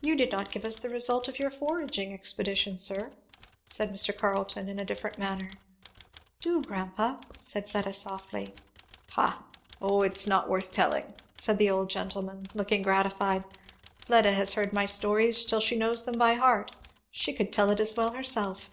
"You did not give us the result of your foraging expedition, sir," said Mr. Carleton in a different manner. "Do, grandpa," said Fleda softly. "Ha! Oh it is not worth telling," said the old gentleman, look ing gratified; "Fleda has heard my stories till she knows them by heart she could tell it as well herself.